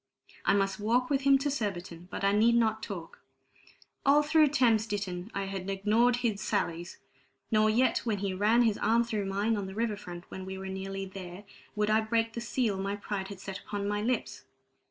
I must walk with him to Surbiton, but I need not talk; all through Thames Ditton I had ignored his sallies; nor yet when he ran his arm through mine, on the river front, when we were nearly there, would I break the seal my pride had set upon my lips.